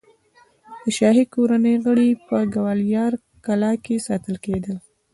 د شاهي کورنۍ غړي په ګوالیار کلا کې ساتل کېدل.